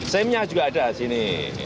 seme nya juga ada di sini